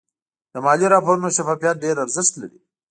د مالي راپورونو شفافیت ډېر ارزښت لري.